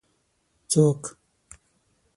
څوک